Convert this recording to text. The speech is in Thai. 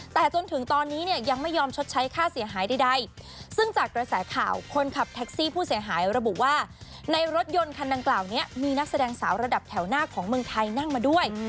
แต่จนถึงตอนนี้เนี่ยยังไม่ยอมชดใช้ค่าเสียหายใดซึ่งจากกระแสข่าวคนขับแท็กซี่ผู้เสียหายระบุว่าในรถยนต์คันดังกล่าวนี้มีนักแสดงสาวระดับแถวหน้าของเมืองไทยนั่งมาด้วย